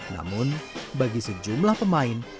namun bagi sejumlah pemain